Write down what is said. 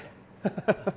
ハハハ